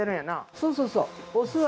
そうそうそう。